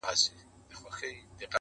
o د خبرو څخه خبري جوړېږي!